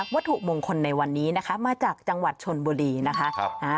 วัตถุมงคลในวันนี้นะคะมาจากจังหวัดชนบุรีนะคะ